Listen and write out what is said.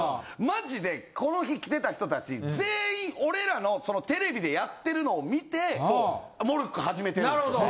まじでこの日来てた人達全員俺らのテレビでやってるのを見てモルック始めてるんですよ。